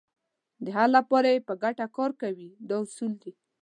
د حل لپاره یې په ګټه کار کوي دا اصول دي.